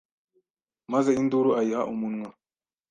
maze induru ayiha umunwa.